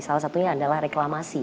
salah satunya adalah reklamasi